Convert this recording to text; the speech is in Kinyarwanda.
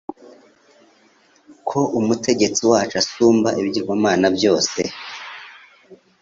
ko Umutegetsi wacu asumba ibigirwamana byose